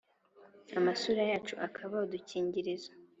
Amasura yacu akaba udukingirizo